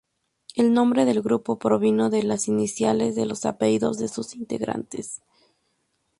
El nombre del grupo provino de las iniciales de los apellidos de sus integrantes.